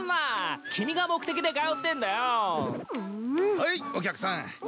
はいお客さん。